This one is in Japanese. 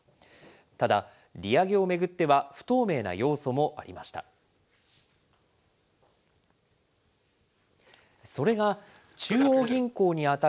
ただ、利上げを巡っては不透明な要素もありました。